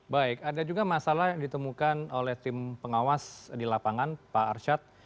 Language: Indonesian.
baik ada juga masalah yang ditemukan oleh tim pengawas di lapangan pak arsyad